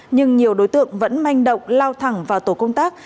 nhưng nhiều đối tượng vẫn manh động lao thẳng vào tổ công tác